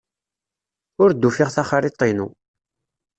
Ur d-ufiɣ taxriḍt-inu.